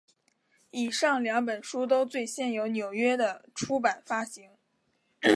以上两本书都最先由纽约的出版发行。